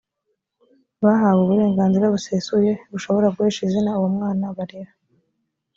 bahawe uburenganzira busesuye bushobora guhesha izina uwo mwana barera